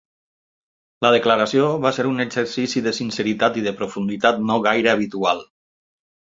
La declaració va ser un exercici de sinceritat i de profunditat no gaire habitual.